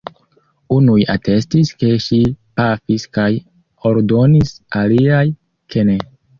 Unuj atestis, ke ŝi pafis kaj ordonis, aliaj, ke ne.